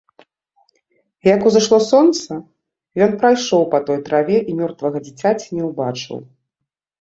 Як узышло сонца, ён прайшоў па той траве і мёртвага дзіцяці не ўбачыў.